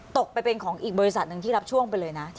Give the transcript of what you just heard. ตกไปเป็นของอีกบริษัทหนึ่งที่รับช่วงไปเลยนะ